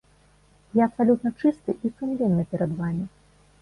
Я абсалютна чысты і сумленны перад вамі.